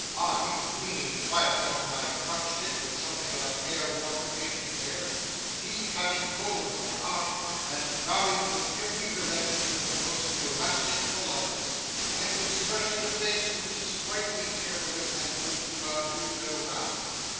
I, leaning quietly on my crutch stick, with something of a care worn, patient air; he, having hold of my arm, and bowing in every direction with the most elastic politeness, and an expression of face whose sprightly cheerfulness and good humour knew no bounds.